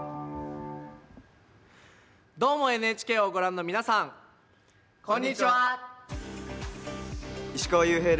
「どーも、ＮＨＫ」をご覧の皆さん、こんにちは。